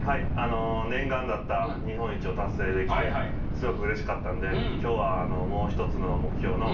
念願だった日本一を達成できてすごくうれしかったんで今日は。